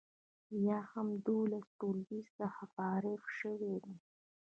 یا هم له دولسم ټولګي څخه فارغې شوي دي.